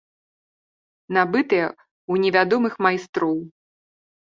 Набытыя ў невядомых майстроў.